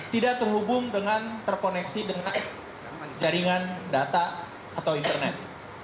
tidak terhubung dengan terkoneksi dengan jaringan data atau internet